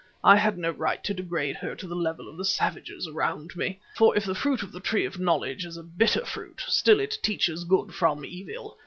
I had no right to degrade her to the level of the savages around me, for if the fruit of the tree of knowledge is a bitter fruit, still it teaches good from evil.